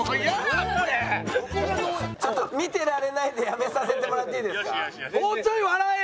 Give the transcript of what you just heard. ちょっと見てられないんでやめさせてもらっていいですか。